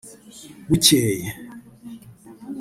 Bukeye